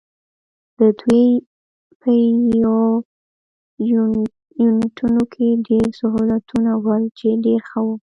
د دوی په یونیټونو کې ډېر سهولتونه ول، چې ډېر ښه وو.